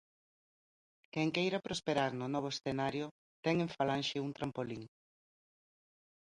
Quen queira prosperar no novo escenario ten en Falanxe un trampolín.